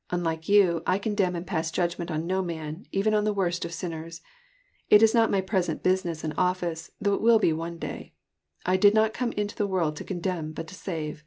<' Unlike you, I condemn and pass judgment on no man, even on the worst of sinners. It is not my present business and ofiSce, though it will be one day. I did not come into the world to condemn, but to save."